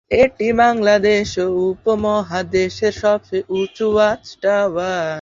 এটি বাংলাদেশ ও উপমহাদেশের সবচেয়ে উঁচু ওয়াচ টাওয়ার।